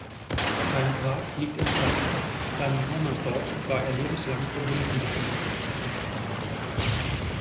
Sein Grab liegt in Pesch; seinem Heimatdorf war er lebenslang verbunden geblieben.